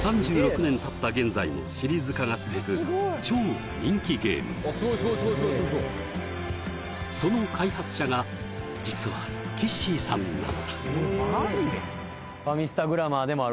３６年たった現在もシリーズ化が続く超人気ゲームその開発者が実はきっしいさんなのだ